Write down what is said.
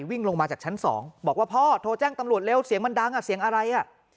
วิ่งลงมาจากชั้น๒บอกว่าพ่อโทรแจ้งตำรวจเร็วเสียงมันดังอ่ะเสียงอะไรอ่ะ